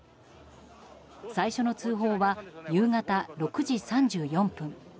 最初の通報は夕方６時３４分。